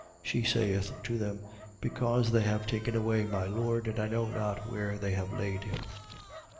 She saith to them: Because they have taken away my Lord: and I know not where they have laid him.